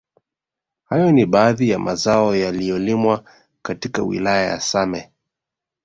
Hayo ni baadhi ya mazao yanayolimwa katika wilaya ya same